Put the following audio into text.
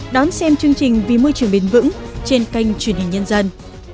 đón xem chương trình vì môi trường bền vững trên kênh truyền hình nhân dân